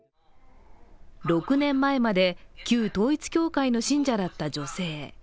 ６年前まで旧統一教会の信者だった女性。